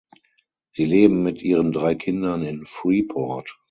Sie leben mit ihren drei Kindern in Freeport.